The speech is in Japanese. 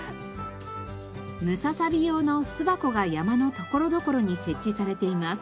ムササビ用の巣箱が山の所々に設置されています。